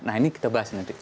nah ini kita bahas nanti